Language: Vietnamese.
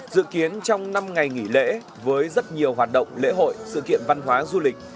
dự kiến trong năm ngày nghỉ lễ với rất nhiều hoạt động lễ hội sự kiện văn hóa du lịch